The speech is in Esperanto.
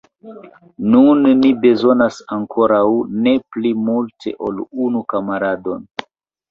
Nun ni bezonas ankoraŭ ne pli multe ol unu kamaradon!